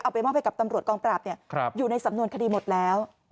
ไปมอบให้กับตำรวจกองปราบอยู่ในสำนวนคดีหมดแล้ว